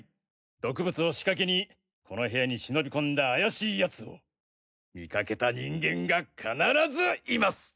毒物を仕掛けにこの部屋に忍び込んだ怪しい奴を見かけた人間が必ずいます！